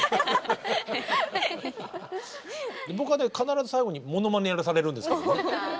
僕はね必ず最後にモノマネやらされるんですけどね。